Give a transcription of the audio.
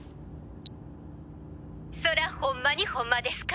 そらホンマにホンマですか？